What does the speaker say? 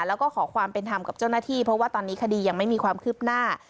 แล้วก็ขอความเป็นธรรมกับเจ้าหน้าที่เพราะว่าตอนนี้คดียังไม่มีความคืบหน้า